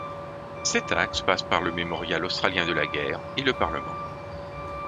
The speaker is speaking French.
Cet axe passe par le mémorial australien de la guerre et le Parlement.